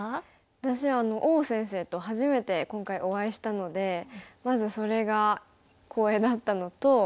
私王先生と初めて今回お会いしたのでまずそれが光栄だったのと。